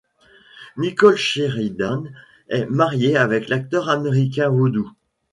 Nicole Sheridan est mariée à l'acteur américain Voodoo.